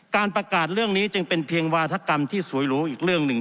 การประกาศเรื่องนี้จึงเป็นเพียงวาธกรรมที่สวยหรูอีกเรื่องหนึ่ง